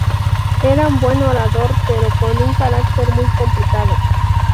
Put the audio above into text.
Era un buen orador, pero con un carácter muy complicado.